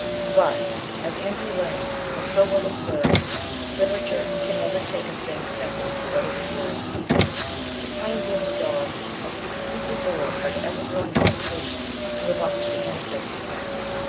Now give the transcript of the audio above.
But, as Andrew Lang has so well observed, literature can never take a thing simply for what it is worth. "The plain dealing dog must be distinctly bored by the ever growing obligation to live up to the anecdotes of him....